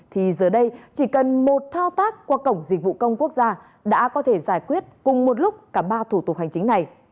thì giờ đây chỉ cần một thao tác qua cổng dịch vụ công quốc gia đã có thể giải quyết cùng một lúc cả ba thủ tục hành chính này